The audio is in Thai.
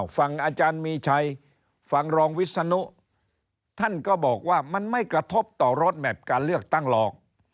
ฟังอาจารย์มีชัยฝั่งรองวิศนุท่านก็บอกว่ามันไม่กระทบต่อรถแมพการเลือกตั้งหรอก